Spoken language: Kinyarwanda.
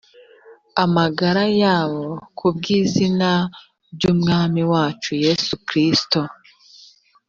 amagara yabo ku bw izina ry umwami wacu yesu kristo